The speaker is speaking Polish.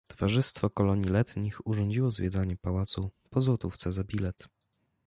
Towarzystwo Kolonii Letnich urządziło zwiedzanie pałacu, po złotówce za bilet.